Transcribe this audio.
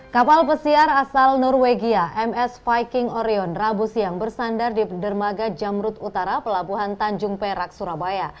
kapal pesiar asal norwegia ms viking orion rabu siang bersandar di dermaga jamrut utara pelabuhan tanjung perak surabaya